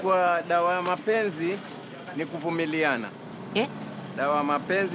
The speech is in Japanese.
えっ？